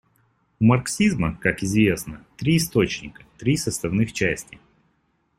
У марксизма, как известно, три источника, три составных части.